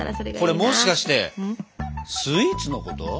これもしかしてスイーツのこと？